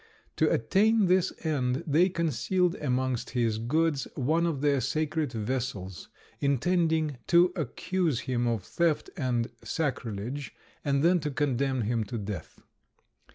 To attain this end, they concealed amongst his goods one of their sacred vessels, intending to accuse him of theft and sacrilege, and then to condemn him to death.